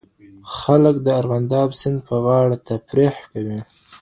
خلک د ارغنداب سیند پر غاړه تفریح کوي.